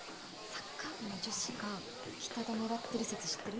・サッカー部の女子が北田狙ってる説知ってる？